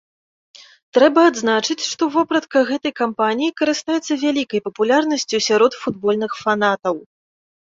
Трэба адзначыць, што вопратка гэтай кампаніі карыстаецца вялікай папулярнасцю сярод футбольных фанатаў.